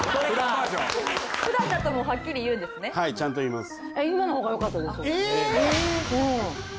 はいちゃんと言います。